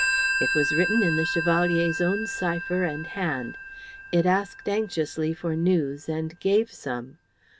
It was written in the Chevalier's own cipher and hand; it asked anxiously for news and gave some.